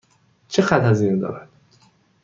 چقدر هزینه دارد؟